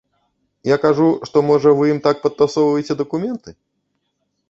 Я кажу, што, можа, вы ім так падтасоўваеце дакументы?